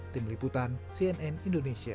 tim liputan cnn indonesia